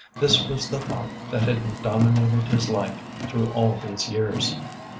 This was the thought that had dominated his life through all these years.